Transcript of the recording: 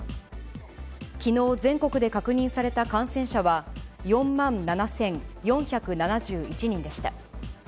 きのう、全国で確認された感染者は４万７４７１人でした。